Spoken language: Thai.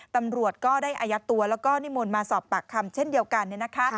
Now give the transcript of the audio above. ตำรวจก็ได้อายัดตัวแล้วก็นิมนต์มาสอบปากคำเช่นเดียวกันเนี่ยนะคะ